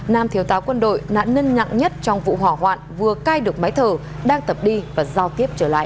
nam thiếu táo quân đội nạn nân nhặng nhất trong vụ hỏa hoạn vừa cai được máy thở đang tập đi và giao tiếp trở lại